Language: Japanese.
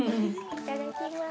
いただきます。